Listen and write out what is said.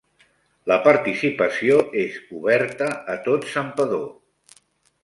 La participació és oberta a tot Santpedor.